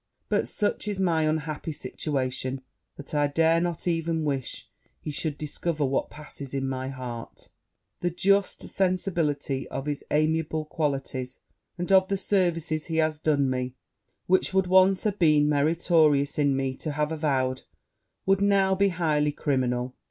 But, such is my unhappy situation, that I dare not even wish he should discover what passes in my heart: the just sensibility of his amiable qualities, and of the services he has done me, which would once have been meritorious in me to have avowed, would now be highly criminal.'